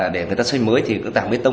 để người ta xây mới thì tảng bê tông này